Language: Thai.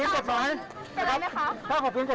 ขอบคุณครับขอบคุณครับ